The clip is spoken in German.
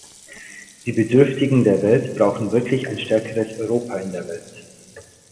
Die Bedürftigen der Welt brauchen wirklich ein stärkeres Europa in der Welt.